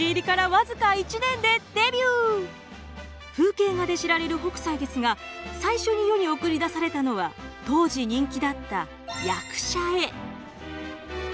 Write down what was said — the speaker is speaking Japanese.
風景画で知られる北斎ですが最初に世に送り出されたのは当時人気だった役者絵。